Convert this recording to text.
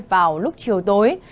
vào lúc chiều tối